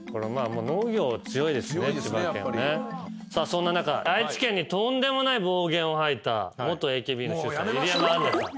そんな中愛知県にとんでもない暴言を吐いた元ＡＫＢの秀才入山杏奈さん。